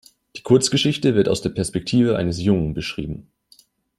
Die Kurzgeschichte wird aus der Perspektive eines Jungen beschrieben.